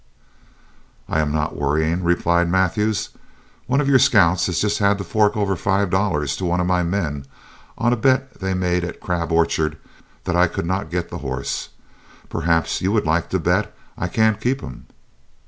"I am not worrying," replied Mathews. "One of your scouts has just had to fork over five dollars to one of my men, on a bet they made at Crab Orchard that I could not get the hoss. Perhaps you would like to bet I can't keep him?"